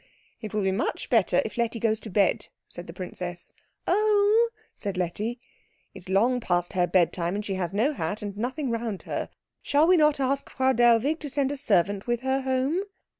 "It will be much better if Letty goes to bed," said the princess. "Oh!" said Letty. "It is long past her bedtime, and she has no hat, and nothing round her. Shall we not ask Frau Dellwig to send a servant with her home?"